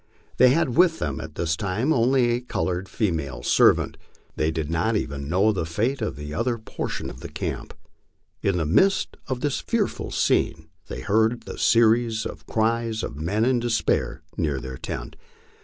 They had with them at this time only a colored female servant. They did not even know the fate of the other portion of the camp. In the midst of this fearful scene, they heard the cries of men in despair near their tent.